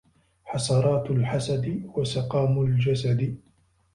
حَسَرَاتُ الْحَسَدِ وَسَقَامُ الْجَسَدِ